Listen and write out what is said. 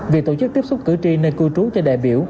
vì tổ chức tiếp xúc cử tri nên cư trú cho đại biểu